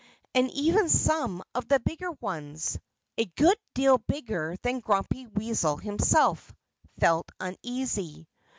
And even some of the bigger ones a good deal bigger than Grumpy Weasel himself felt uneasy.